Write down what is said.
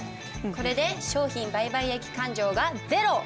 これで商品売買益勘定がゼロ。